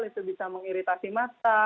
itu bisa mengiritasi mata